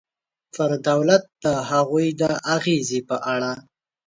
پر دولت د هغوی د اغېزې په اړه.